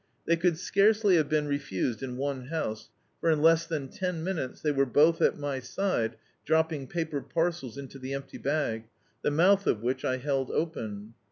They could scarcely have been refused in one house, for in less than ten minutes they were both at my side, dropping paper parcels into die empty bag, the mouth of which I held open.